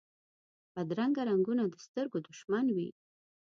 بدرنګه رنګونه د سترګو دشمن وي